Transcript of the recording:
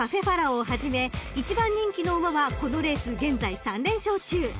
ファラオをはじめ１番人気の馬はこのレース現在３連勝中］